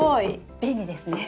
便利ですね。